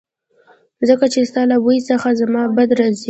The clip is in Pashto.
ځکه چې ستا له بوی څخه زما بد راځي